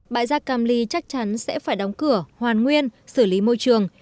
bãi rác cam ly chắc chắn sẽ phải đóng cửa hoàn nguyên xử lý môi trường